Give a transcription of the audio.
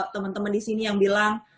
teman teman disini yang bilang